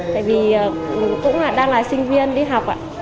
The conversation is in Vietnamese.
tại vì cũng đang là sinh viên đi học